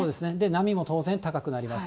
波も当然、高くなります。